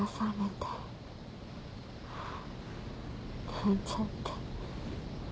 なんちゃって。